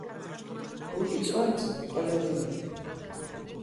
ბული წვანც კოლო რენია